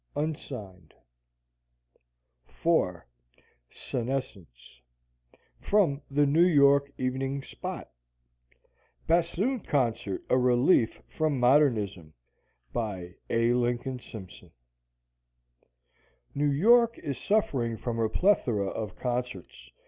(Unsigned) IV. SENESCENCE From the New York "Evening Spot": BASSOON CONCERT A RELIEF FROM MODERNISM BY A. LINCOLN SIMPSON New York is suffering from a plethora of concerts.